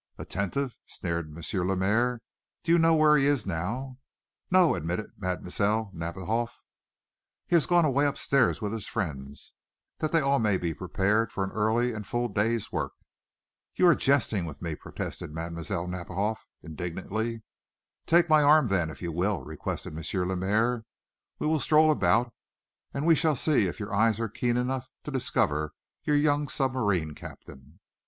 "Attentive?" sneered M. Lemaire. "Do you know where he is now?" "No," admitted Mlle. Nadiboff. "He has gone away upstairs with his friends, that they may all be prepared for an early and full day's work." "You are jesting with me," protested Mlle. Nadiboff, indignantly. "Take my arm, then, if you will," requested M. Lemaire. "We will stroll about, and we shall see if your eyes are keen enough to discover your young submarine captain."